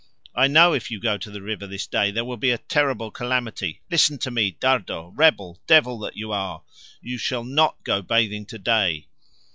I know if you go to the river this day there will be a terrible calamity! Listen to me, Dardo, rebel, devil that you are, you shall not go bathing to day!"